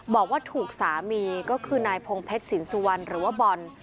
บอกว่าถูกสามีก็คือนายพงเพชรสินสุวรรณหรือว่าบอล